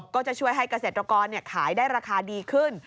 ก็จะช่วยให้เกษตรกรขายได้ราคาดีขึ้น